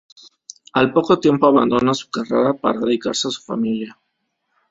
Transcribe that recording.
Al poco tiempo abandona su carrera para dedicarse a su familia.